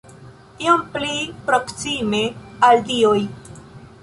Iom pli proksime al dioj!